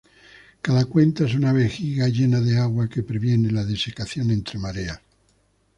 Cada cuenta es una vejiga llena de agua que previene la desecación entre mareas.